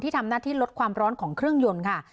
ทำหน้าที่ลดความร้อนของเครื่องยนต์ค่ะ